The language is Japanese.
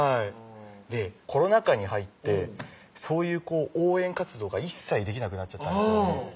コロナ禍に入ってそういう応援活動が一切できなくなっちゃったんですうん